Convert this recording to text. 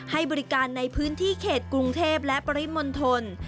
ให้บริการในพื้นที่เขตกรุงเทพและปริมณฑล